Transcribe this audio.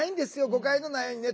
誤解のないようにね。